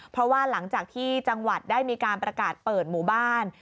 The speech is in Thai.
เพราะว่าหลังจากที่จังหวัดได้มีการประกาศเปิดหมู่บ้าน